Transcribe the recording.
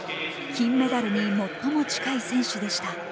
金メダルに最も近い選手でした。